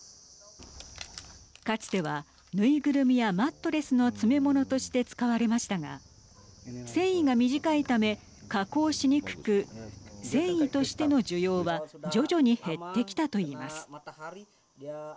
かつては縫いぐるみやマットレスの詰め物として使われましたが繊維が短いため加工しにくく繊維としての需要は徐々に減ってきたと言います。